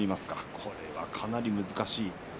これはかなり難しい。